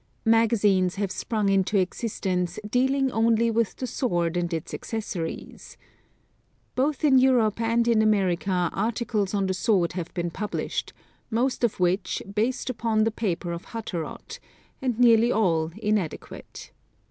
Magazines have sprung into existence dealing only with the sword and its accessories. Both in Europe and in America articles on the sword have been published, most of which, based upon the paper of Hutterott and nearly all inadequate.